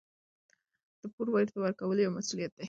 د پور بېرته ورکول یو مسوولیت دی.